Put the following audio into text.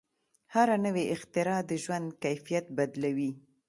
هره نوې اختراع د ژوند کیفیت بدلوي.